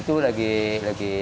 itu lagi banyak